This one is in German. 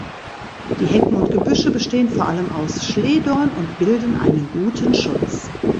Die Hecken und Gebüsche bestehen vor allem aus Schlehdorn und bilden einen guten Schutz.